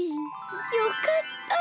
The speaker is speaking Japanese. よかった。